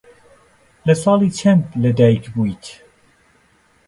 لە ساڵی چەند لەدایک بوویت؟